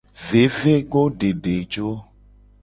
Vevegodedejo.